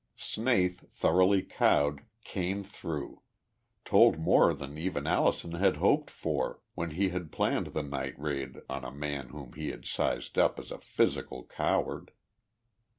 Snaith, thoroughly cowed, "came through" told more than even Allison had hoped for when he had planned the night raid on a man whom he had sized up as a physical coward.